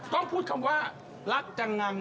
ต้องพูดคำว่ารักจังงัง